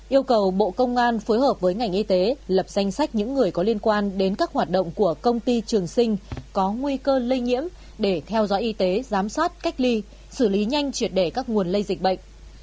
yêu cầu bộ công an phối hợp với ngành y tế lập danh sách những người có liên quan đến các hoạt động của công ty trường sinh có nguy cơ lây nhiễm để theo dõi y tế giám sát cách ly xử lý nhanh triệt để các nguồn lây dịch bệnh